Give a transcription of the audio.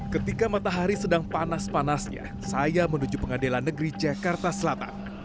ketika matahari sedang panas panasnya saya menuju pengadilan negeri jakarta selatan